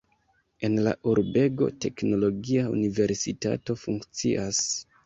En la urbego teknologia universitato funkcias.